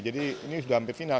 jadi ini sudah hampir final